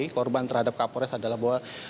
korban terhadap kapolres adalah bahwa